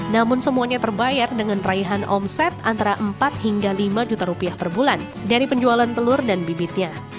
namun semuanya terbayar dengan raihan omset antara empat hingga lima juta rupiah per bulan dari penjualan telur dan bibitnya